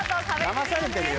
だまされてるよ。